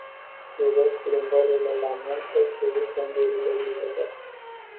Iubesc plimbările la munte și weekendurile libere.